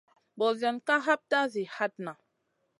Ɓosionna ka hapta zi hatna.